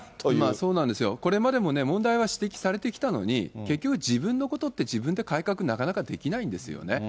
そうなんですよ、これまでもね、問題は指摘されてきたのに、結局自分のことって、自分で改革、なかなかできないんですよね。